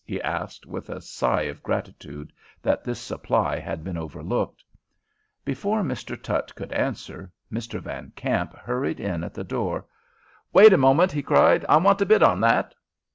he asked, with a sigh of gratitude that this supply had been overlooked. Before Mr. Tutt could answer, Mr. Van Kamp hurried in at the door. "Wait a moment!" he cried. "I want to bid on that!"